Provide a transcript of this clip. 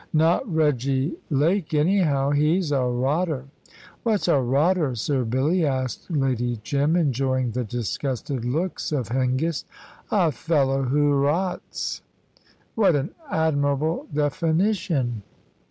"Not Reggy Lake, anyhow. He's a rotter!" "What's a rotter, Sir Billy?" asked Lady Jim, enjoying the disgusted looks of Hengist. "A fellow who rots." "What an admirable definition?"